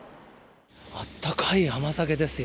あったかい甘酒ですよ。